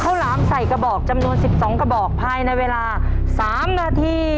หลามใส่กระบอกจำนวน๑๒กระบอกภายในเวลา๓นาที